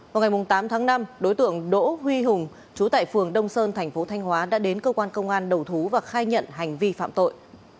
vào ngày tám tháng năm đối tượng đỗ huy hùng chú tại phường đông sơn thành phố thanh hóa đã đến cơ quan công an đầu thú và khai nhận hành vi phạm tội